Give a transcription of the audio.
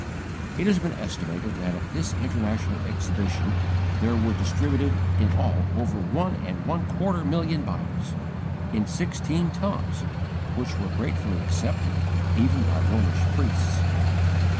It has been estimated that at this International Exhibition there were distributed in all over one and a quarter million Bibles, in sixteen tongues, which were gratefully accepted, even by Romish priests.